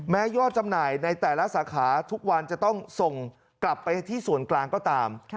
ยอดจำหน่ายในแต่ละสาขาทุกวันจะต้องส่งกลับไปที่ส่วนกลางก็ตาม